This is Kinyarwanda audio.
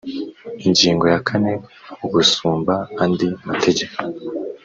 Ingingo ya kane Ugusumba andi mategeko